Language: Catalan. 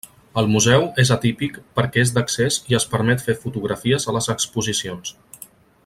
El museu és atípic perquè és d'accés i es permet fer fotografies a les exposicions.